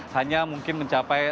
hanya mungkin mencapai